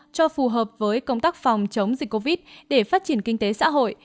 cho phù hợp với công tác phòng chống dịch covid để phát triển kinh tế xã hội